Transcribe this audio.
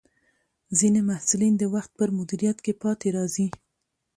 ځینې محصلین د وخت پر مدیریت کې پاتې راځي.